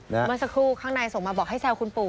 เมื่อสักครู่ข้างในส่งมาบอกให้แซวคุณปู่